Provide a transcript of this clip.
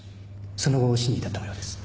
その後死に至ったもようです。